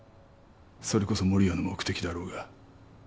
それこそ守谷の目的だろうが。